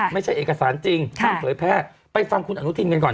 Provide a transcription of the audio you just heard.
ไม่ใช่เอกสารจริงเพิ่งเผยแพร่ไปฟังคุณอนุทินกันก่อน